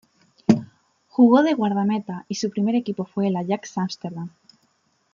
Jugó de guardameta y su primer equipo fue el Ajax Amsterdam.